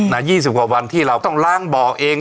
๒๐กว่าวันที่เราต้องล้างบ่อเอง